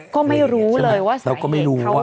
ก็ไม่รู้เลยว่าสาเหตุเขา